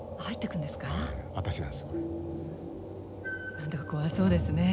何だか怖そうですね。